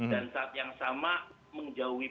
dan yang sama menjauhi